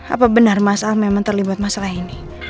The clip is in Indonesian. apa benar mas al memang terlibat masalah ini